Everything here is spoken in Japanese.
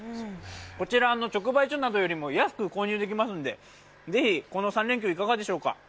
こちら直売所などよりも安く購入できますのでぜひこの３連休、いかがでしょうか。